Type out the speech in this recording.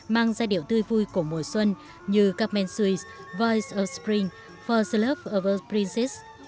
mang giai điệu tươi vui của mùa xuân như carmen suiz voice of spring for the love of a princess